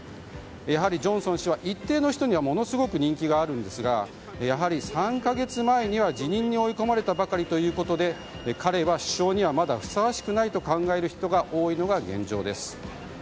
やはりジョンソン氏は一定の人にはものすごく人気があるんですがやはり３か月前には辞任に追い込まれたばかりで彼は首相にはまだふさわしくないと考える人が多いのが現状です。